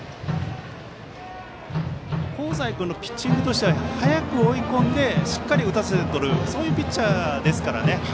香西君のピッチングとしては早く追い込んでしっかり打たせてとるそういうピッチャーですから。